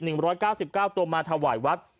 ร้อยเก้าสิบเก้าตัวมาถวายวัด